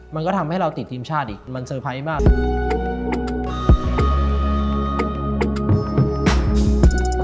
มันก็ทำให้เราติดทีมชาติอีกมันเซอร์ไพรส์มาก